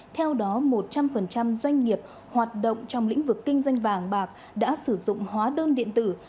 theo đó một trăm linh doanh nghiệp hoạt động trong lĩnh vực kinh doanh vàng bạc đã sử dụng hóa đơn điện tử